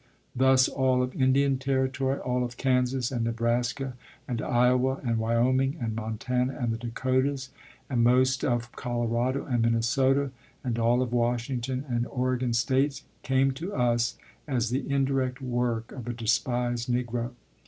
"Thus, all of Indian Territory, all of Kansas and Nebraska and Iowa and Wyoming and Montana and the Dakotas, and most of Colorado and Minnesota, and all of Washington and Oregon states, came to us as the indirect work of a despised Negro.